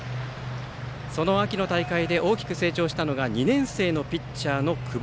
その秋の大会で大きく卒業したのが２年生のピッチャーの久保。